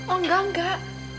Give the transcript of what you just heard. oh enggak enggak